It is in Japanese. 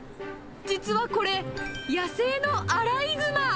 実はこれ、野生のアライグマ。